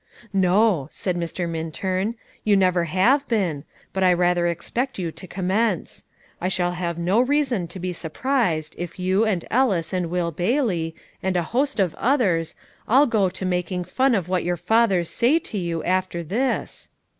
"No," said Mr. Minturn, "you never have been, but I rather expect you to commence. I shall have no reason to be surprised if you and Ellis and Will Bailey, and a host of others, all go to making fun of what your fathers say to you after this."